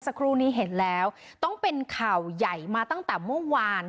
สักครู่นี้เห็นแล้วต้องเป็นข่าวใหญ่มาตั้งแต่เมื่อวาน